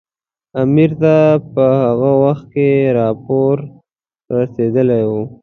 امیر ته په هغه وخت کې راپور رسېدلی وو.